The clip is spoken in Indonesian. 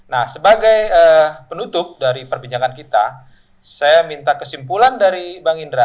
nah sebagai penutup dari perbincangan kita saya minta kesimpulan dari bang indra